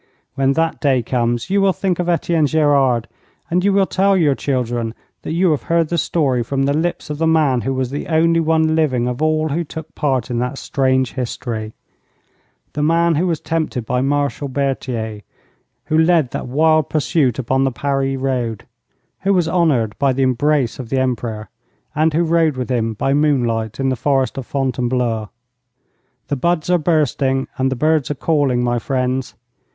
When that day comes, you will think of Etienne Gerard, and you will tell your children that you have heard the story from the lips of the man who was the only one living of all who took part in that strange history the man who was tempted by Marshal Berthier, who led that wild pursuit upon the Paris road, who was honoured by the embrace of the Emperor, and who rode with him by moonlight in the Forest of Fontainebleau. The buds are bursting and the birds are calling, my friends.